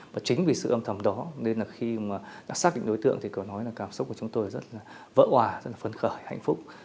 và chính vì sự âm thầm đó nên là khi mà đã xác định đối tượng thì có nói là cảm xúc của chúng tôi rất là vỡ hòa rất là phân khởi hạnh phúc